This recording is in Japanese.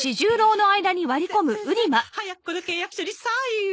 せ先生早くこの契約書にサインを。